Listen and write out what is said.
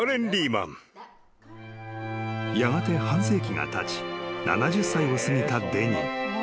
［やがて半世紀がたち７０歳を過ぎたデニー］